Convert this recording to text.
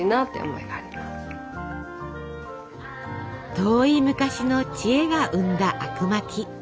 遠い昔の知恵が生んだあくまき。